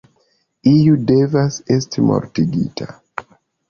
Iu devas esti mortigita.